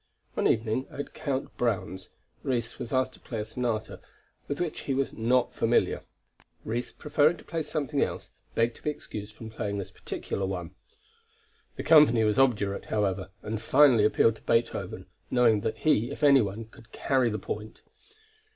One evening at Count Browne's, Ries was asked to play a sonata with which he was not familiar. Ries preferring to play something else, begged to be excused from playing this particular one. The company was obdurate, however, and finally appealed to Beethoven, knowing that he, if any one, could carry the point.